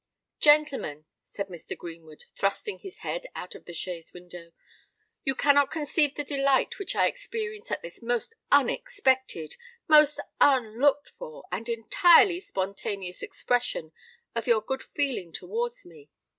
"Gentlemen," said Mr. Greenwood, thrusting his head out of the chaise window, "you cannot conceive the delight which I experience at this most unexpected—most unlooked for, and entirely spontaneous expression of your good feeling towards me.